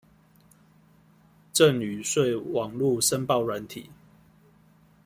贈與稅網路申報軟體